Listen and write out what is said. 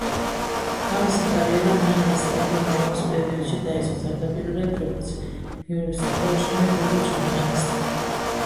თავისი კარიერა მან ესტადო-ნოვოს პერიოდში დაიწყო, თავდაპირველად, როგორც იურისტი, ხოლო შემდეგ როგორც ჟურნალისტი.